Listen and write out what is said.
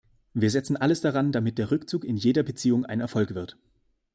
Wir setzen alles daran, damit der Rückzug in jeder Beziehung ein Erfolg wird.